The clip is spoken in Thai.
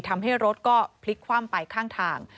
ทำให้รถก็พลิกคว่ำไปข้างทาง